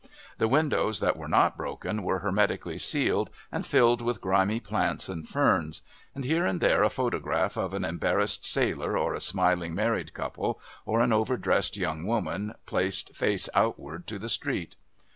The windows that were not broken were hermetically sealed and filled with grimy plants and ferns, and here and there a photograph of an embarrassed sailor or a smiling married couple or an overdressed young woman placed face outward to the street.